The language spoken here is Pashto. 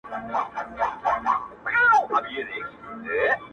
ستوري ډېوه سي ،هوا خوره سي،